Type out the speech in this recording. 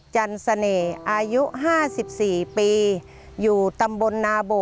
เชิญครับ